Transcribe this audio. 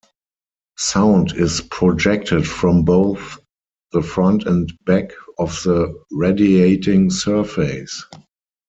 Sound is projected from both the front and back of the radiating surface.